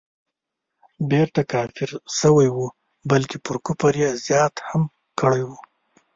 بیرته کافر سوی وو بلکه پر کفر یې زیادت هم کړی وو.